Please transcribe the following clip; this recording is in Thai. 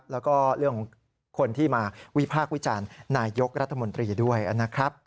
แล้วก็เรื่องของคนที่มาวิพากษ์วิจารณ์นายยกรัฐมนตรีด้วยนะครับ